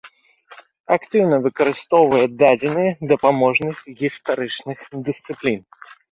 Актыўна выкарыстоўвае дадзеныя дапаможных гістарычных дысцыплін.